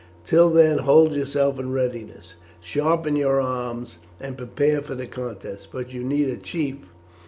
Till then hold yourselves in readiness. Sharpen your arms and prepare for the contest. But you need a chief.